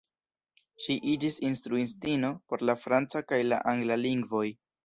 Ŝi iĝis instruistino por la franca kaj la angla lingvoj.